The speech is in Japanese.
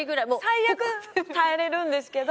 最悪耐えられるんですけど。